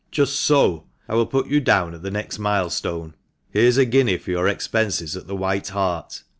Just so. I will put you down at the next milestone. Here is a guinea for your expenses at the 'White Hart.'